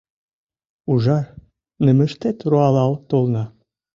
Ужар нымыштет руалал толна